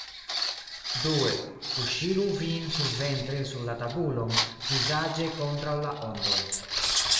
Due: kuŝigu vin surventre sur la tabulon, vizaĝe kontraŭ la ondoj.